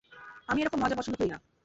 আমি এরকম মজা পছন্দ করি না।